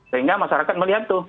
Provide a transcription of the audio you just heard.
sehingga masyarakat melihat tuh